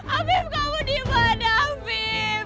abim kamu dimana abim